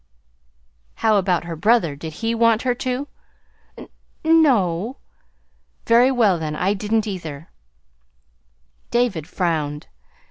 "How about her brother did he want her to?" "N no." "Very well, then. I didn't, either." David frowned.